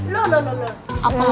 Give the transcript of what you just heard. nah nah nah